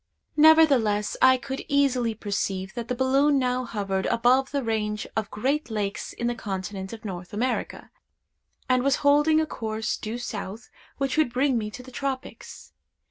Nevertheless, I could easily perceive that the balloon now hovered above the range of great lakes in the continent of North America, and was holding a course, due south, which would bring me to the tropics.